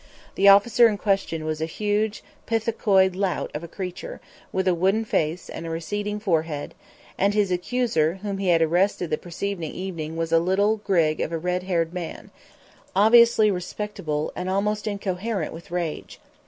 The officer in question was a huge pithecoid lout of a creature, with a wooden face and a receding forehead, and his accuser whom he had arrested the preceding evening was a little grig of a red headed man, obviously respectable, and almost incoherent with rage.